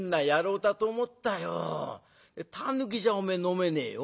タヌキじゃおめえ飲めねえよ。